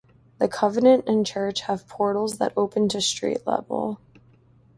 The convent and church have portals that open to street level.